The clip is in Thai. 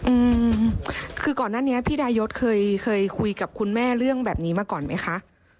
อืมคือก่อนหน้านี้พี่ดายศเคยเคยคุยกับคุณแม่เรื่องแบบนี้มาก่อนไหมคะ